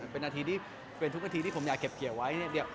เป็นทุกนาธิที่ผมอยากเก็บเกี่ยวไว้